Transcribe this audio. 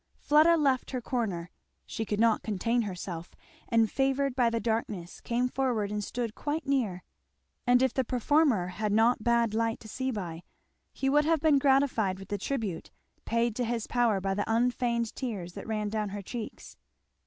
Fleda left her corner, she could not contain herself, and favoured by the darkness came forward and stood quite near; and if the performer bad bad light to see by, he would have been gratified with the tribute paid to his power by the unfeigned tears that ran down her cheeks.